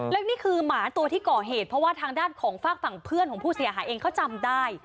แล้วนี่คือหมาตัวที่ก่อเหตุเพราะว่าทางด้านของฝากฝั่งเพื่อนของผู้เสียหายเองเขาจำได้